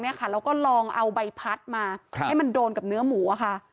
แล้วก็ลองเอาใบพัดมาให้มันโดนกับเนื้อหมูค่ะ